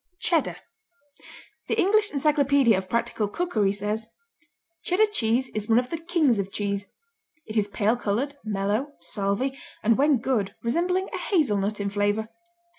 Cheddar The English Encyclopedia of Practical Cookery says: Cheddar cheese is one of the kings of cheese; it is pale coloured, mellow, salvy, and, when good, resembling a hazelnut in flavour.